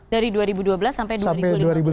dari dua ribu dua belas sampai dua ribu lima belas